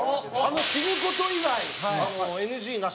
死ぬ事以外ＮＧなし。